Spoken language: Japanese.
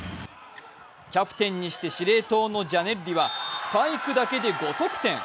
キャプテンにして司令塔のジャネッリはスパイクだけで５得点。